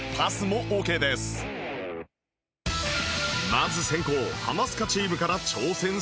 まず先攻ハマスカチームから挑戦するのは